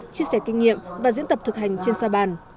chia sẻ kinh nghiệm và diễn tập thực hành trên sa bàn